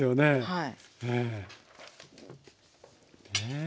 ええ。